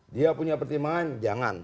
dia punya pertimbangan jangan